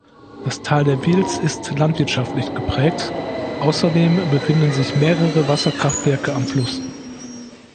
Das Tal der Vils ist landwirtschaftlich geprägt, außerdem befinden sich mehrere Wasserkraftwerke am Fluss.